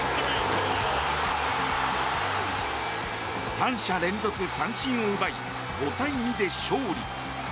３者連続三振を奪い５対２で勝利。